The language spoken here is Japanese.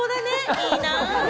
いいな！